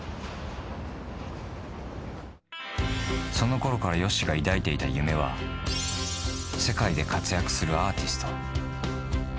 そのころからＹＯＳＨＩが抱いていた夢は、世界で活躍するアーティスト。